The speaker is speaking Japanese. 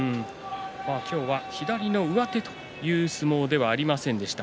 今日は左の上手という相撲ではありませんでした。